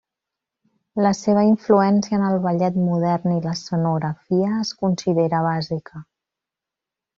La seva influència en el ballet modern i l'escenografia es considera bàsica.